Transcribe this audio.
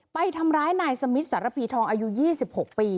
ไปทำร้ายนายสมิทสารพีทองอายุ๒๖ปี